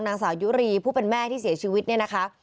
นางสาวยุรีผู้เป็นแม่ที่เสียชีวิตเนี่ยนะคะ